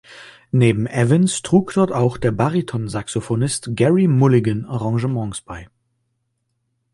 Neben Evans trug dort auch der Baritonsaxophonist Gerry Mulligan Arrangements bei.